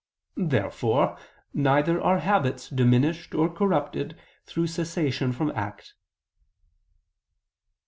Therefore neither are habits diminished or corrupted through cessation from act.